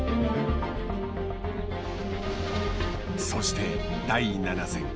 そして第７戦。